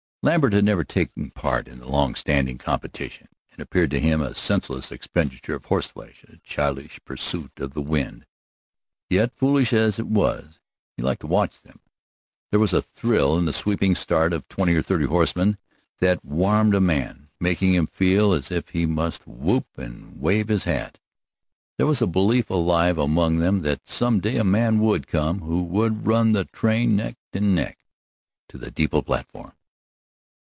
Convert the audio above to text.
Lambert never had taken part in that longstanding competition. It appeared to him a senseless expenditure of horseflesh, a childish pursuit of the wind. Yet, foolish as it was, he liked to watch them. There was a thrill in the sweeping start of twenty or thirty horsemen that warmed a man, making him feel as if he must whoop and wave his hat. There was a belief alive among them that some day a man would come who would run the train neck and neck to the depot platform.